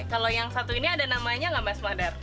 tapi kalau yang satu ini ada namanya nggak mas madar